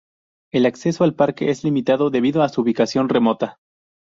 El acceso al parque es limitado debido a su ubicación remota.